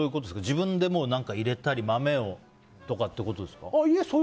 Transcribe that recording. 自分でひいたり豆をとかってことですか？